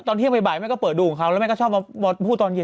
ตอนเที่ยงบ่ายแม่ก็เปิดดูของเขาแล้วแม่ก็ชอบมาพูดตอนเย็น